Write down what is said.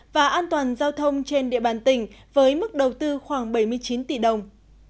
và an toàn giao thông trên địa bàn tỉnh với mức đầu tư khoảng bảy mươi chín tỷ đồng